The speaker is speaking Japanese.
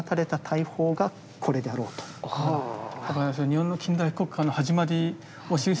日本の近代国家の始まりを。